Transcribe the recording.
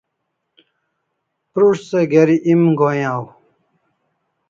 Prus't se geri em go'in aw